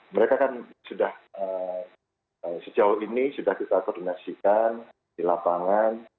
mereka kan sudah sejauh ini sudah kita koordinasikan di lapangan